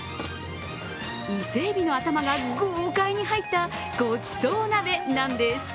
伊勢えびの頭が豪快に入ったごちそう鍋なんです。